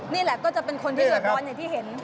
นี่แหละก็จะเป็นคนที่เดือดร้อนอย่างที่เห็น